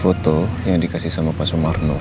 foto yang dikasih sama pak sumarno